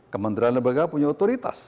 kementerian lembaga punya otoritas